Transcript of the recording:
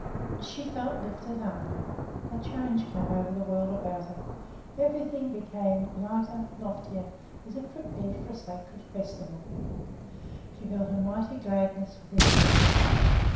She felt lifted up. A change came over the world about her: everything became lighter, loftier, as if prepared for a sacred festival. She felt a mighty gladness within her.